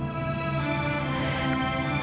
mila aku udah bilang